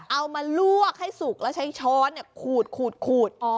เอามาลวกให้สุกแล้วใช้ช้อนขูด